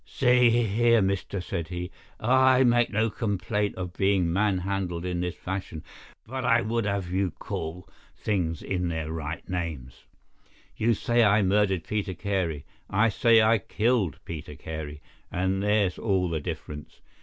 "See here, mister," said he, "I make no complaint of being man handled in this fashion, but I would have you call things by their right names. You say I murdered Peter Carey, I say I killed Peter Carey, and there's all the difference.